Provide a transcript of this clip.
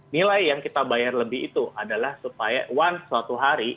nilai yang kita bayar lebih itu adalah supaya one suatu hari